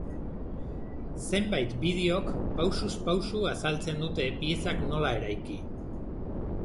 Zenbait bideok pausuz pausu azaltzen dute piezak nola eraiki.